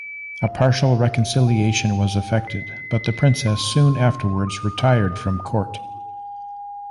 A partial reconciliation was effected, but the princess soon afterwards retired from court.